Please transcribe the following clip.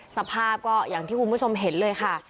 สภาพก็อย่างที่คุณผู้ชมเห็นเลยค่ะ